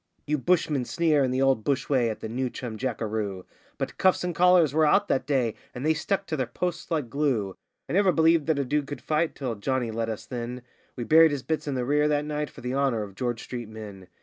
You bushmen sneer in the old bush way at the newchum jackeroo, But 'cuffs 'n' collers' were out that day, and they stuck to their posts like glue; I never believed that a dude could fight till a Johnny led us then; We buried his bits in the rear that night for the honour of George street men.